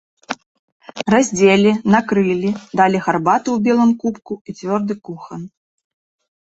Раздзелі, накрылі, далі гарбаты ў белым кубку і цвёрды кухан.